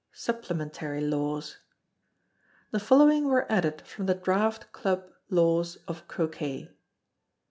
Supplementary Laws. The following were added from the Draft Club Laws of Croquet.